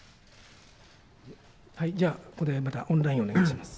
ここで、またオンライン、お願いします。